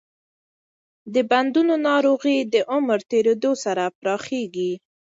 د بندونو ناروغي د عمر تېریدو سره پراخېږي.